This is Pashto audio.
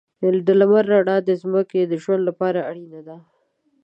د لمر رڼا د ځمکې د ژوند لپاره اړینه ده.